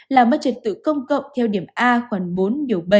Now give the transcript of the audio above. làm mất trật tự công cộng theo điểm a khoảng bốn điều bảy